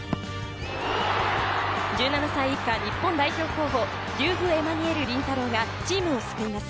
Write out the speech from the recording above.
１７歳以下、日本代表候補のデューフ・エマニエル凛太朗がチームを救います。